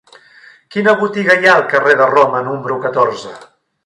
Quina botiga hi ha al carrer de Roma número catorze?